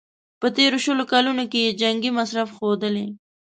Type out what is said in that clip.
په تېرو شلو کلونو کې یې جنګي مصرف ښودلی.